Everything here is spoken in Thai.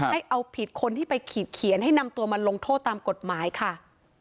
ให้เอาผิดคนที่ไปขีดเขียนให้นำตัวมาลงโทษตามกฎหมายค่ะ